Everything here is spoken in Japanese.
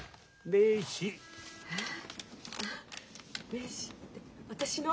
名刺って私の？